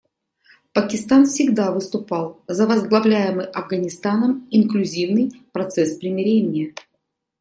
Пакистан всегда выступал за возглавляемый Афганистаном инклюзивный процесс примирения.